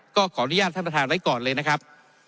ขออนุญาตท่านประธานไว้ก่อนเลยนะครับ